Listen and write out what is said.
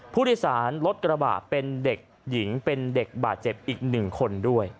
ผู้โดยสารรถกระบะเป็นเด็กหญิงเป็นเด็กบาดเจ็บอีก๑คนด้วย